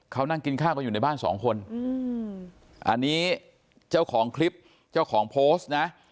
เขานั่งกินข้าวกันอยู่ในบ้านสองคนอันนี้เจ้าของคลิปเจ้าของโพสต์นะ